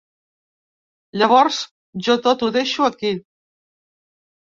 Llavors, jo tot ho deixo aquí.